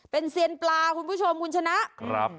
เป็นเซียนปลาคุณผู้ชมคุณชนะ